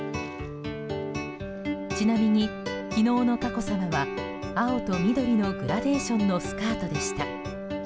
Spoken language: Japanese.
ちなみに、昨日の佳子さまは青と緑のグラデーションのスカートでした。